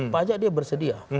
pajak dia bersedia